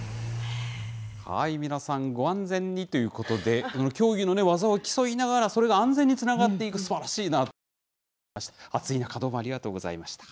皆さん、ご安全にということで、競技の技を競いながら、それが安全につながっていく、すばらしいなというふうにも思いました。